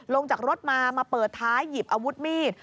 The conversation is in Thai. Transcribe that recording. ลงจากรถมามาเปิดท้ายหยิบอาวุธมีด